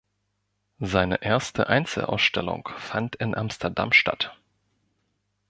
Seine erste Einzelausstellung fand in Amsterdam statt.